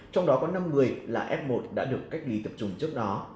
trong đó có năm người là f một đã được cách ly tập trung trước đó